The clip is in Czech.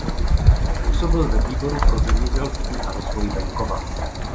Působil ve Výboru pro zemědělství a rozvoj venkova.